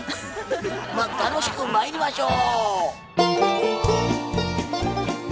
まあ楽しくまいりましょう！